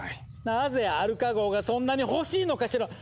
なぜアルカ号がそんなに欲しいのかしら？